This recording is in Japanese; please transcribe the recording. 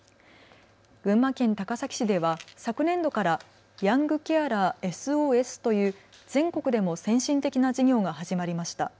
群馬県高崎市では昨年度からヤングケアラーＳＯＳという全国でも先進的な事業が始まりました。